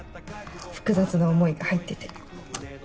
複雑な思いが入ってて。